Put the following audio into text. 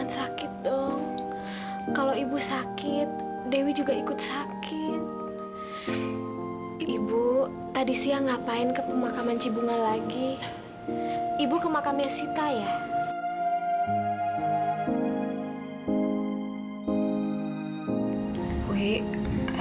sampai jumpa di video selanjutnya